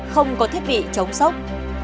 không có thiết bị chống sóc